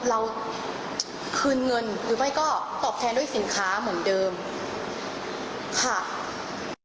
เราคืนเงินหรือไม่ก็ตอบแทนด้วยสินค้าเหมือนเดิมค่ะ